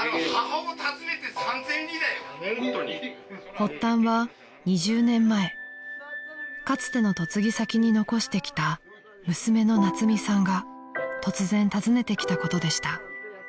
［発端は２０年前かつての嫁ぎ先に残してきた娘の夏海さんが突然訪ねてきたことでした］